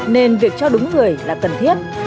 nên việc cho đúng người là cần thiết